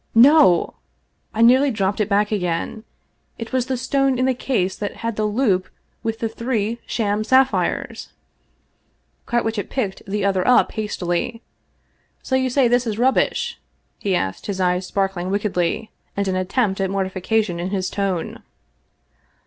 No ! I nearly dropped it back again. It was the stone in the case that had the loop with the three sham sapphires ! Carwitchet picked the other up hastily. " So you say this is rubbish ?" he asked, his eyes sparkling wickedly, and an attempt at mortification in his tone.